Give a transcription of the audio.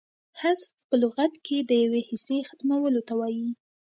حذف په لغت کښي د یوې حصې ختمولو ته وايي.